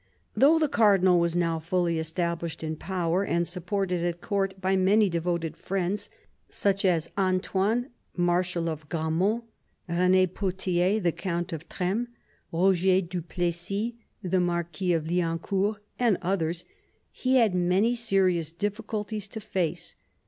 Though the cardinal was now firmly established in power, and supported at court by many devoted friends, such as Antoine, Marshal of Gramont, Rene Potier, the Count of Tresmes, Roger du Plessis, the Marquis of Liancourt, and others, he had many serious diflBculties to face.